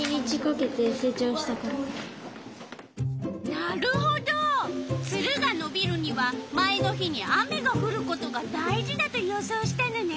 なるほどツルがのびるには前の日に雨がふることが大事だと予想したのね。